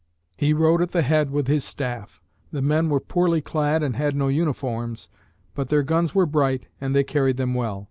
He rode at the head with his staff. The men were poorly clad and had no uniforms, but their guns were bright and they carried them well.